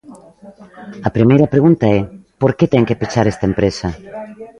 A primeira pregunta é: ¿por que ten que pechar esta empresa?